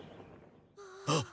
あっ。